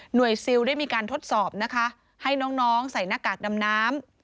ซิลได้มีการทดสอบนะคะให้น้องใส่หน้ากากดำน้ำ